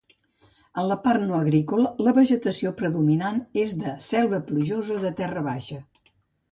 En la part no agrícola la vegetació predominant és de selva plujosa de terra baixa.